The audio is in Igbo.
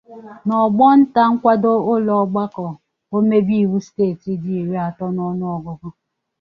na ọgbọ nta nkwado ụlọ ọgbakọ omebe iwu steeti dị iri ato n'ọnụọgọgụ.